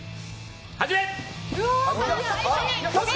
始め！